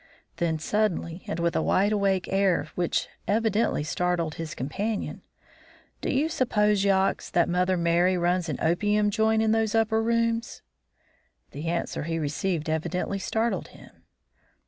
Then suddenly, and with a wide awake air which evidently startled his companion: "Do you suppose, Yox, that Mother Merry runs an opium joint in those upper rooms?" The answer he received evidently startled him.